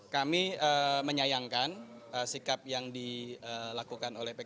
kami menyayangkan sikap yang dilakukan oleh pks